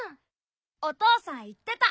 おとうさんいってた。